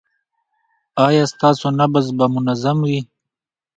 ایا ستاسو نبض به منظم وي؟